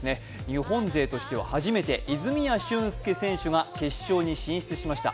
日本勢としては初めて泉谷駿介選手が決勝に進出しました。